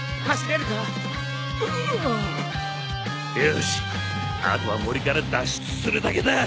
よし後は森から脱出するだけだ！